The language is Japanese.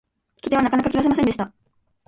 引き手はなかなか切らせませんでした。